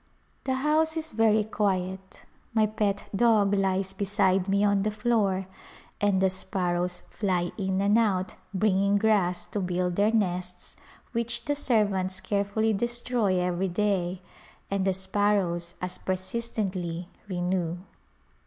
The house is very quiet. My pet dog lies beside me on the floor, and the sparrows fly in and out bringing grass to build their nests which the servants carefully destroy every day, and the sparrows as per sistently renew.